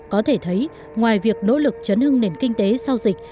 có thể thấy ngoài việc nỗ lực chấn hương nền kinh tế sau dịch